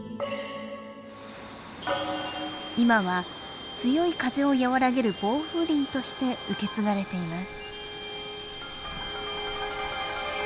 今は強い風を和らげる防風林として受け継がれています。